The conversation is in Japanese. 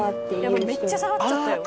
めっちゃ下がっちゃったよ。